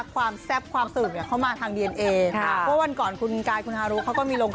แกะเนื้อร้องเอง